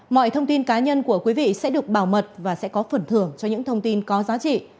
mọi thông tin cá nhân của quý vị sẽ được bảo mật và sẽ có phần thưởng cho những thông tin có giá trị